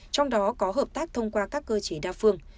trong đó có hợp tác thông qua các cơ chế đa phương